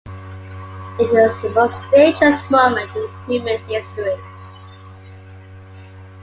It was the most dangerous moment in human history.